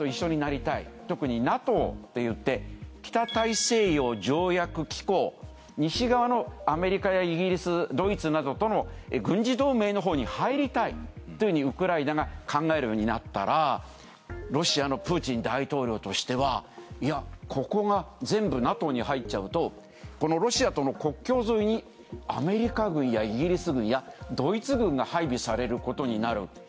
特にＮＡＴＯといって北大西洋条約機構西側のアメリカやイギリスドイツなどとの軍事同盟のほうに入りたいっていうふうにウクライナが考えるようになったらロシアのプーチン大統領としてはいやここが全部ＮＡＴＯに入っちゃうとこのロシアとの国境沿いにアメリカ軍やイギリス軍やドイツ軍が配備されることになる。